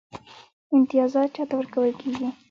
امتیازات چا ته ورکول کیږي؟